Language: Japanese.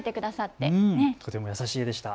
とても優しい絵でした。